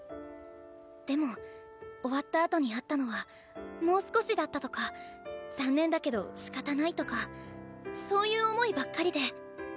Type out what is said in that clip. でも終わったあとにあったのは「もう少しだった」とか「残念だけどしかたない」とかそういう思いばっかりで。